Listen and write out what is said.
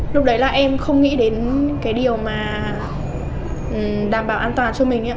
lúc đấy là em không nghĩ đến cái điều mà đảm bảo an toàn cho mình ạ